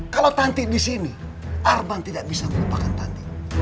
kalau tanti di sini arban tidak bisa melupakan tanti